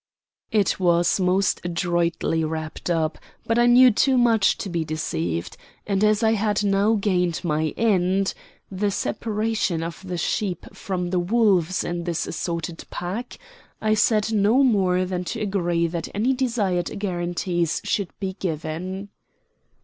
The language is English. It was most adroitly wrapped up, but I knew too much to be deceived; and as I had now gained my end the separation of the sheep from the wolves in this assorted pack I said no more than to agree that any desired guarantees should be given.